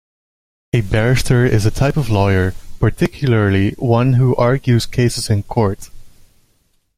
A barrister is a type of lawyer, particularly one who argues cases in court